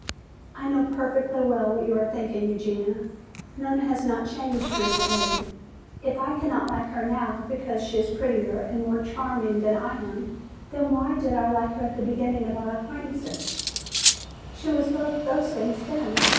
"I know perfectly well what you are thinking, Eugenia. Nona has not changed recently. If I cannot like her now because she is prettier and more charming than I am, then why did I like her at the beginning of our acquaintance? She was both those things then.